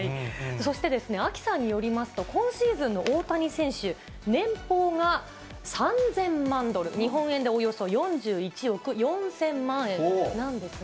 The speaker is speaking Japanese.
そしてですね、アキさんによりますと、今シーズン、大谷選手、年俸が３０００万ドル、日本円でおよそ４１億４０００万円なんですが。